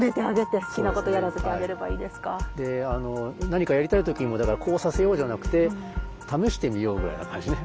何かやりたい時にもだからこうさせようじゃなくて試してみようぐらいな感じね。